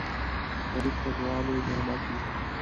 غریب ته دعا لوی نعمت وي